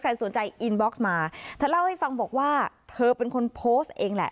สนใจอินบ็อกซ์มาเธอเล่าให้ฟังบอกว่าเธอเป็นคนโพสต์เองแหละ